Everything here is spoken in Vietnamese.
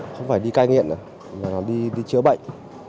không phải đi cai nghiện mà là đi chữa bệnh